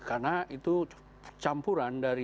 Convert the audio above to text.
karena itu campuran dari